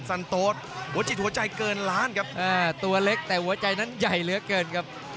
สันโต๊ดหัวจิตหัวใจเกินล้านครับตัวเล็กแต่หัวใจนั้นใหญ่เหลือเกินครับ